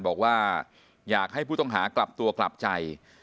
บอกว่าอยากให้ผู้ต้องหากลับตัวกลับใจ